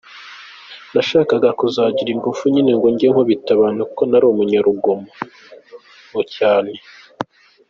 Nashakaga kuzagira ingufu nyine ngo njye nkubita abantu kuko nari umunyarugomo cyane.